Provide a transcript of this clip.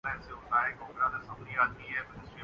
ملک میں ایک تعلیمی نظام کیوں نہیں ہے؟